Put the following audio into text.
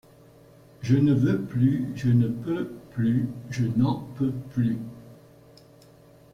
Je ne veux plus, je ne peux plus, je n’en peux plus.